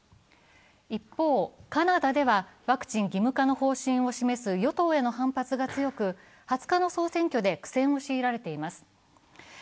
一方、カナダではワクチン義務化の方針を示す与党への反発が強く、２０日の総選挙で苦戦を強いられています。